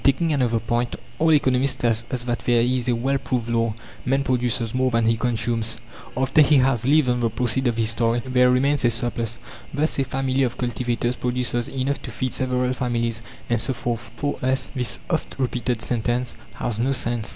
Taking another point all economists tell us that there is a well proved law: "Man produces more than he consumes." After he has lived on the proceeds of his toil, there remains a surplus. Thus, a family of cultivators produces enough to feed several families, and so forth. For us, this oft repeated sentence has no sense.